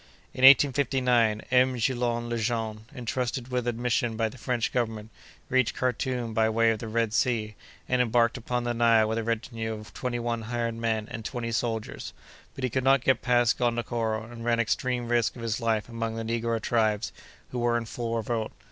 In 1859, M. Guillaume Lejean, intrusted with a mission by the French Government, reached Karthoum by way of the Red Sea, and embarked upon the Nile with a retinue of twenty one hired men and twenty soldiers, but he could not get past Gondokoro, and ran extreme risk of his life among the negro tribes, who were in full revolt.